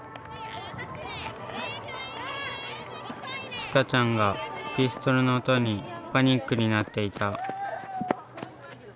ちかちゃんがピストルの音にパニックになっていた。